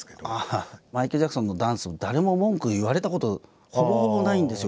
マイケル・ジャクソンのダンスを誰も文句言われたことほぼほぼないんですよ